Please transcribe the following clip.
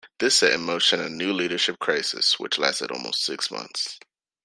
This set in motion a new leadership crisis, which lasted almost six months.